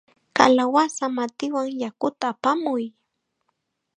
¡Kalawasa matiwan yakuta apamuy!